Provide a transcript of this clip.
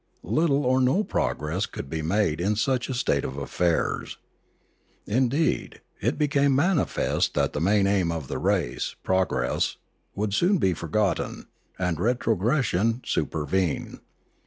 Little or no progress could be made in such a state of affairs. Indeed, it became manifest that the main aim of the race, progress, would soon be forgotten, and retrogression supervene.